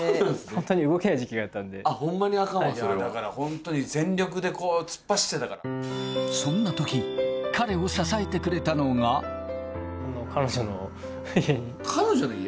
本当に動けない時期があったんであっほんまにあかんわそれはいやだから本当に全力で突っ走ってたからそんなとき彼を支えてくれたのが彼女の家？